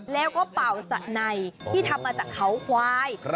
แล้วก็เป่าสะในที่ทำมาจากเขาควาย